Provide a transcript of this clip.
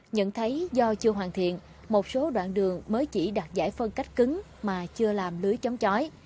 nhận thấy do chưa hoàn thiện một số đoạn đường mới chỉ đạt giải phân cách cứng mà chưa làm lưới chống chói